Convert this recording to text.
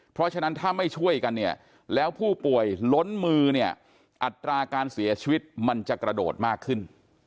เพราะฉะนั้นถ้าไม่ช่วยกันเนี่ยแล้วผู้ป่วยล้นมือเนี่ยอัตราการเสียชีวิตมันจะกระโดดมากขึ้น